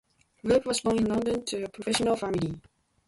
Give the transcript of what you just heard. Webb was born in London to a professional family.